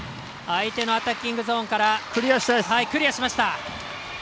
相手のアタッキングゾーンからクリアしました。